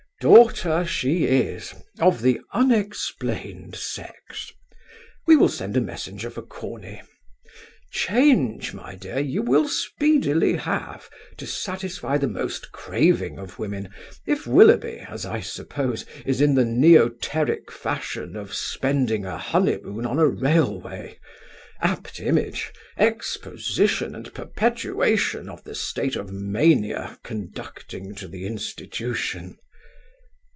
Daughter she is of the unexplained sex: we will send a messenger for Corney. Change, my dear, you will speedily have, to satisfy the most craving of women, if Willoughby, as I suppose, is in the neoteric fashion of spending a honeymoon on a railway: apt image, exposition and perpetuation of the state of mania conducting to the institution!